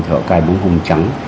thì họ cài bông hồng trắng